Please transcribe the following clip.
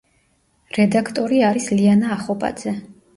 რედაქტორი არის ლიანა ახობაძე.